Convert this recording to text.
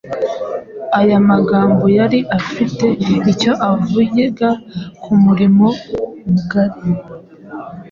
aya magambo yari afite icyo avuga ku murimo mugari